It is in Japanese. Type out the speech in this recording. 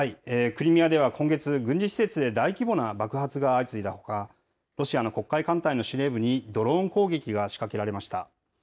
クリミアでは今月、軍事施設で大規模な爆発が相次いだほか、ロシアの黒海艦隊の司令部にドローン攻撃が仕掛けられました。